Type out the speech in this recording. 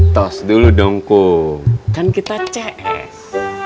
tos dulu dongku kan kita cs